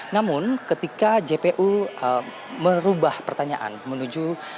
namun ketika jpu merubah pertanyaan menuju